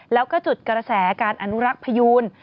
แล้วก็จุดกระแสการอนุรักษ์พยูน